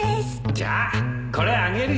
じゃあこれあげるよ